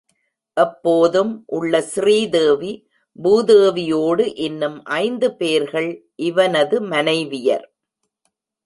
எப்போதும் உள்ள ஸ்ரீதேவி பூதேவியோடு இன்னும் ஐந்து பேர்கள் இவனது மனைவியர்.